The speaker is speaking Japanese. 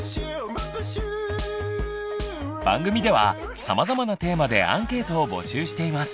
番組ではさまざまなテーマでアンケートを募集しています！